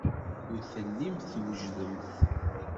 Ur tellimt twejdemt.